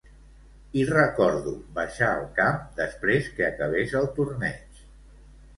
I recordo baixar al camp després que acabés el torneig.